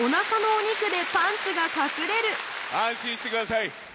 安心してください。